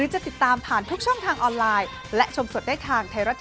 จ้อนดอกกันแหละ